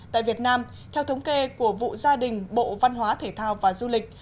tại việt nam theo thống kê của vụ gia đình bộ văn hóa thể thao và du lịch